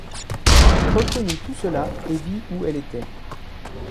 Elle reconnut tout cela, et vit où elle était.